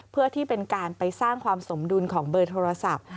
เพื่อที่เป็นการไปสร้างความสมดุลของเบอร์โทรศัพท์